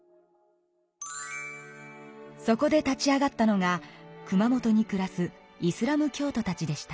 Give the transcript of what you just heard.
そこで立ち上がったのが熊本に暮らすイスラム教徒たちでした。